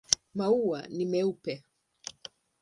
Maua ni meupe.